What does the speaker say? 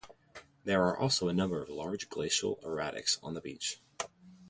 There are also a number of large glacial erratics on the beach.